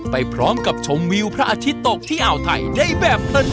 ไปพร้อมกับชมวิวพระอาทิตย์ตกที่อ่าวไทยได้แบบเพลิน